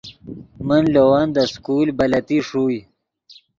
من لے ون دے سکول بلتی ݰوئے